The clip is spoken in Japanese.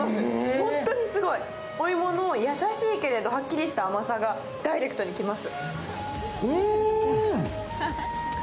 本当にすごい。お芋の優しいけれどはっきりした甘さがダイレクトに来ます。